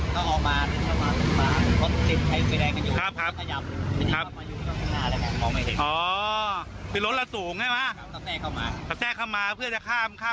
ตอนแรกรถมันติดอยู่ใช่ไหมแล้วออกมาเป็นไงครับ